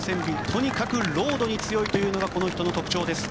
とにかくロードに強いというのがこの人の特徴です。